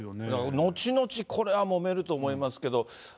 だから後々これはもめると思いますけど。